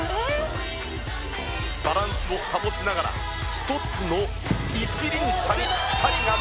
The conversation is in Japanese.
バランスを保ちながら１つの一輪車に２人が乗りました。